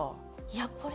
いやこれ。